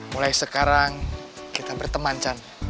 mulai sekarang kita berteman can